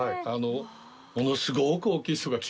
ものすごーく大きい人が来ます。